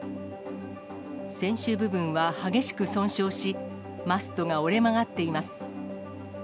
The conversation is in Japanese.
船首部分は激しく損傷し、マストが折れ曲がっています。